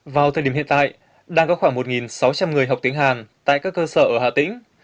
vào thời điểm hiện tại đang có khoảng một sáu trăm linh người học tiếng hàn tại các cơ sở ở hà tĩnh